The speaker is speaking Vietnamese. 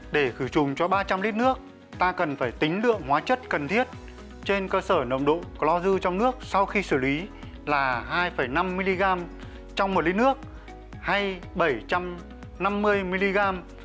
để khử trùng cho ba trăm linh lít nước ta cần phải tính lượng hóa chất cần thiết trên cơ sở nồng độ clue trong nước sau khi xử lý là hai năm mg trong một lít nước hay bảy trăm năm mươi mg